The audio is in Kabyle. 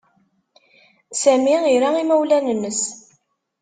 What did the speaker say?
Sami ira imawlan-nnes.